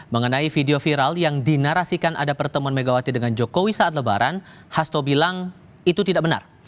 mengenai video viral yang dinarasikan ada pertemuan megawati dengan jokowi saat lebaran hasto bilang itu tidak benar